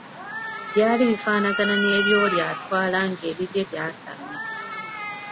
Byaali bifaanagana n’ebyoli atwala ng’ebibye byasamye.